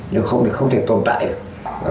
nếu không thì không thể tồn tại được